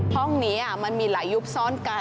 ห้องนี้มันมีหลายยุบซ่อนกัน